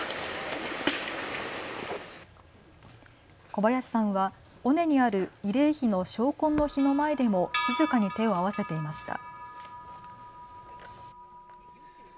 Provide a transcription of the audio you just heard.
小林さんは尾根にある慰霊碑の昇魂之碑の前でも静かに手を合わせていました。